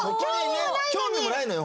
興味もないのよ